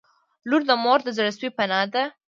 • لور د مور د زړسوي پناه ده.